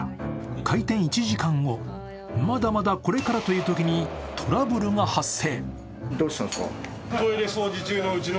開店１時間後、まだまだこれからというときにトラブルが発生。